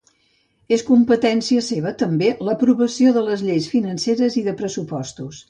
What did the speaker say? És competència seva també l'aprovació de les lleis financeres i de pressupostos.